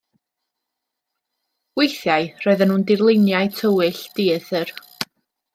Weithiau roedden nhw'n dirluniau tywyll, dieithr.